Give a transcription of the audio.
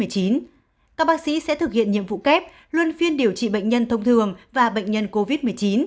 các bác sĩ sẽ thực hiện nhiệm vụ kép luân phiên điều trị bệnh nhân thông thường và bệnh nhân covid một mươi chín